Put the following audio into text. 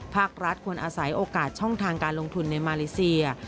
ภาครัฐควรอาศัยโอกาสช่องทางการลงทุนในมาเลเซีย